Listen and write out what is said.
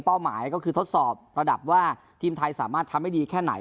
หมายก็คือทดสอบระดับว่าทีมไทยสามารถทำได้ดีแค่ไหน